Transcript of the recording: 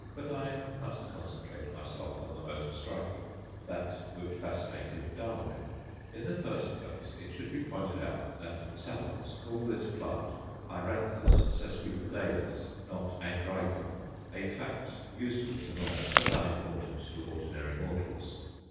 But I must concentrate myself on the most striking that which fascinated Darwin. In the first place it should be pointed out that savants call this plant Æranthus sesquipedalis, not Angræcum a fact useful to know, but unimportant to ordinary mortals.